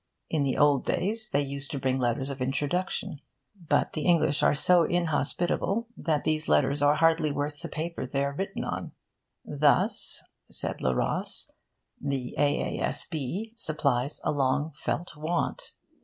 In the old days they used to bring letters of introduction. But the English are so inhospitable that these letters are hardly worth the paper they are written on. 'Thus,' said Le Ros, 'the A.A.S.B. supplies a long felt want.